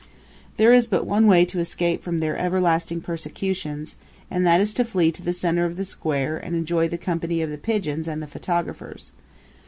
There is but one way to escape from their everlasting persecutions, and that is to flee to the center of the square and enjoy the company of the pigeons and the photographers.